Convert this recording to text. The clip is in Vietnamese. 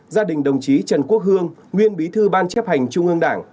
gia đình đồng chí trần quốc hương nguyên bí thư ban chấp hành trung ương đảng